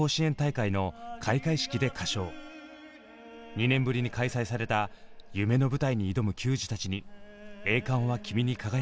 ２年ぶりに開催された夢の舞台に挑む球児たちに「栄冠は君に輝く」を贈りました。